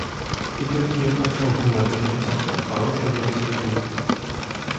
І толькі як пачаў узнімацца вецер, парушыў ён цішыню.